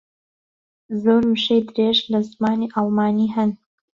زۆر وشەی درێژ لە زمانی ئەڵمانی ھەن.